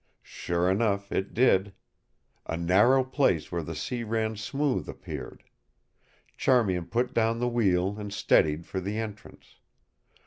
Sure enough, it did. A narrow place where the sea ran smooth appeared. Charmian put down the wheel and steadied for the entrance.